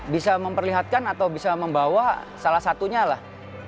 bisa memperlihatkan atau bisa membawa salah satunya lah